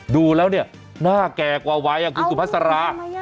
ดูแล้วเนี่ยหน้าแก่กว่าวัยคุณสุภาษา